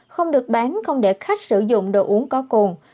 không được bán không để khách sử dụng đồ uống có cồn